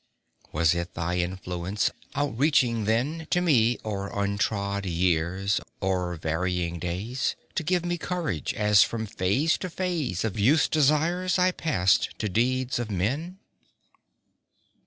Was it thy influence outreaching then To me, o'er untrod years, o'er varying days, To give me courage, as from phase to phase Of youth's desires I passed to deeds of men?